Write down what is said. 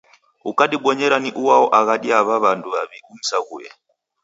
Ukadibonyeria ni uao aghadi ya aw'a w'andu w'aw'i umsaghue.